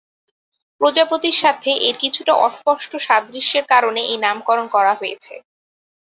প্রজাপতির সাথে এর কিছুটা অস্পষ্ট সাদৃশ্যের কারনে এই নামকরণ করা হয়েছে।